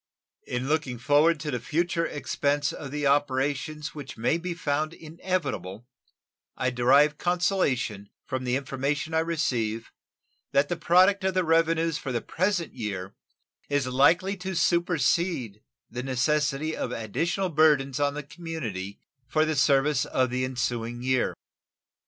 In looking forward to the future expense of the operations which may be found inevitable I derive consolation from the information I receive that the product of the revenues for the present year is likely to supersede the necessity of additional burthens on the community for the service of the ensuing year.